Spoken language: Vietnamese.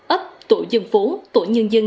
ấp tổ dân phố tổ nhân dân